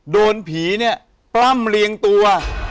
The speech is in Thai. โดนผีเนี่ยปล้ำเรียงตัว